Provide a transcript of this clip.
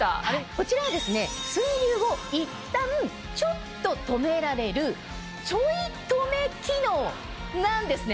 こちらは水流をいったんちょっと止められるちょい止め機能なんですね。